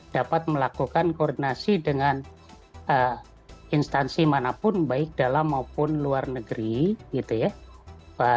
dapat melakukan koordinasi dengan instansi manapun baik dalam maupun luar negeri gitu ya